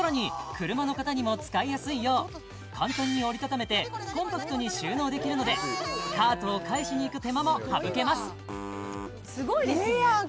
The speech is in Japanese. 車の方にも使いやすいよう簡単に折り畳めてコンパクトに収納できるのでカートを返しに行く手間も省けますすごいですよねええやん